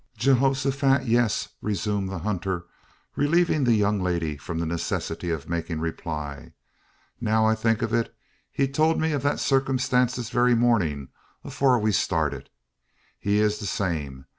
"Geehosofat, yes!" resumed the hunter, relieving the young lady from the necessity of making reply. "Now I think o't, he told me o' thet suckumstance this very mornin', afore we started. He air the same.